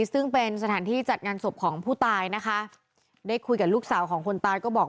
ซึ่งเป็นสถานที่จัดงานศพของผู้ตายนะคะได้คุยกับลูกสาวของคนตายก็บอก